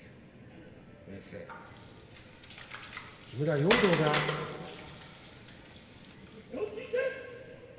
木村容堂が合わせます。